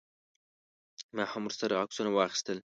ما هم ورسره عکسونه واخیستل.